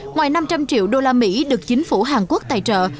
ngoài năm trăm linh triệu usd được chính phủ hàn quốc tài trợ